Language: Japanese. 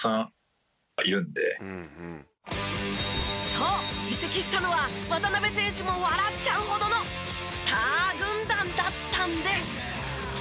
そう移籍したのは渡邊選手も笑っちゃうほどのスター軍団だったんです。